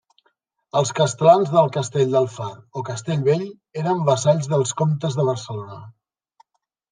Els castlans del castell del Far o castell Vell eren vassalls dels comtes de Barcelona.